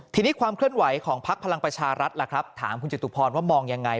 ทีนี้ความเคลื่อนไหวของพักพลังประชารัฐล่ะครับถามคุณจตุพรว่ามองยังไง